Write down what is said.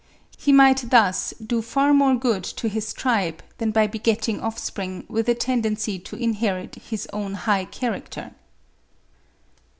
He might thus do far more good to his tribe than by begetting offspring with a tendency to inherit his own high character.